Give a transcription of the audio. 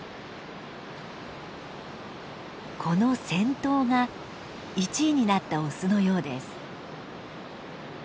この先頭が１位になったオスのようです。